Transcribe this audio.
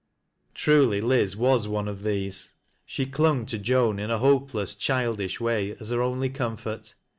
Truly Liz was one of these. She clung to Joan in a hopeless, childish way, as her only comfort.